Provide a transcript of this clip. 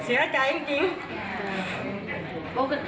ต่อก็ที่เราช่วงกันไปเที่ยวกับแวบแล้วเจ๊